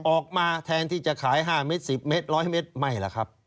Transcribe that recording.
ออกมาแทนที่จะขาย๕เม็ด๑๐เมตร๑๐๐เมตรไม่ล่ะครับ